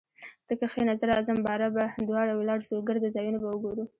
ته کښینه زه راځم باره به دواړه ولاړسو ګرده ځایونه به وګورو